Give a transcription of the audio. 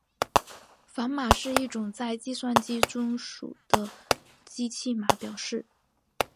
反码是一种在计算机中数的机器码表示。